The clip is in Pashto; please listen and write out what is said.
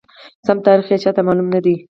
سم تاریخ یې چاته معلوم ندی،